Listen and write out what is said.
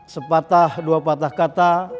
sepatah dua patah kata